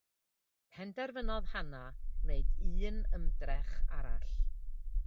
Penderfynodd Hannah wneud un ymdrech arall.